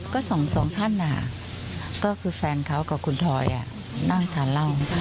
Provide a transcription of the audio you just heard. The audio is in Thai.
ก็สองท่านก็คือแฟนเขากับคุณทอยนั่งทานเหล้า